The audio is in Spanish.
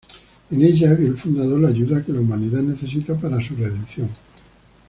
En Ella vio el fundador la ayuda que la humanidad necesita para su redención.